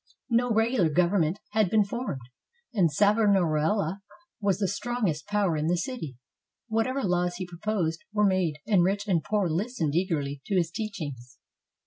No regular govern ment had been formed, and Savonarola was the strongest power in the city. Whatever laws he proposed were made, and rich and poor listened eagerly to his teachings.